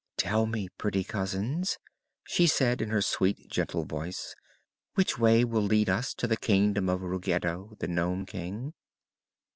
"Tell me, pretty cousins," she said in her sweet, gentle voice, "which way will lead us to the Kingdom of Ruggedo, the Nome King?"